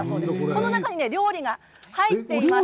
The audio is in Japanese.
この中に料理が入っています。